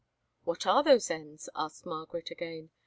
"What are those ends?" asked Margaret again.